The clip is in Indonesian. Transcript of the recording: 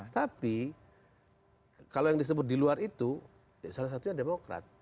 tapi kalau yang disebut di luar itu salah satunya demokrat